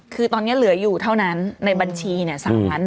คือตอนนี้เหลืออยู่เท่านั้นในบัญชีเนี่ย